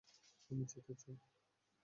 আমি যেতে চাই!